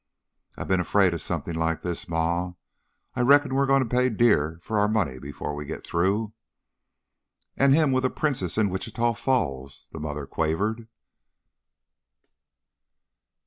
"I been afraid of something like this, Ma. I reckon we're goin' to pay dear for our money before we get through." "An' him with a princess in Wichita Falls!" the mother quavered.